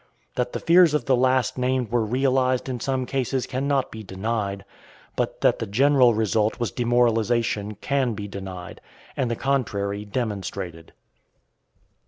That the fears of the last named were realized in some cases cannot be denied; but that the general result was demoralization can be denied, and the contrary demonstrated.